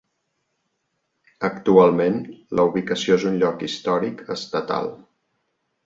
Actualment, la ubicació és un lloc històric estatal.